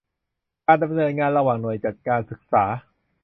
การดำเนินงานระหว่างหน่วยจัดการศึกษา